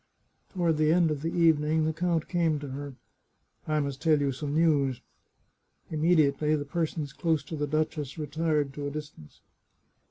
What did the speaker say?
Toward the end of the evening the count came to her. " I must tell you some news." Immediately the persons close to the duchess retired to a distance.